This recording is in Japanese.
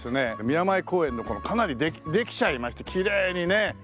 宮前公園のかなりできちゃいましてきれいにね。